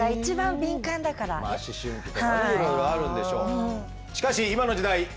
思春期とかねいろいろあるんでしょう。